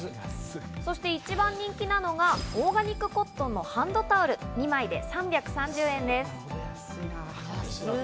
そして一番人気なのがオーガニックコットンのハンドタオル、安いな。